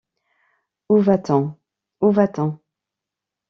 Où va-t-on? où va-t-on ?